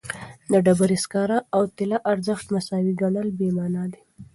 د ډبرې سکاره او طلا ارزښت مساوي ګڼل بېمعنایي ده.